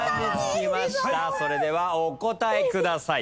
それではお答えください。